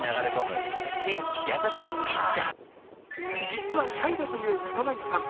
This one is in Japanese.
実はシャイだという草なぎさん。